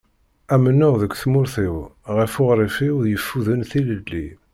Amennuɣ deg tmurt-iw, ɣef uɣref-iw yeffuden tilelli.